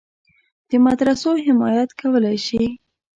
د مدرسو حمایت کولای شي.